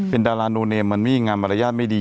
เป็นดารานูเนมมันไม่มีงานมารยาทไม่ดี